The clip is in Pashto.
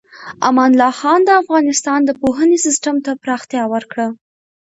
امان الله خان د افغانستان د پوهنې سیستم ته پراختیا ورکړه.